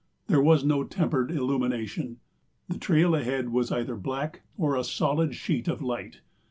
There was no tempered illumination. The trail ahead was either black, or a solid sheet of light.